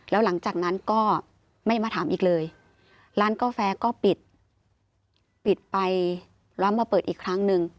แล้วหลังจากนั้นก็ไม่มาถามอีกเลยร้านกาแฟก็ปิดปิดไปแล้วมาเปิดอีกครั้งหนึ่ง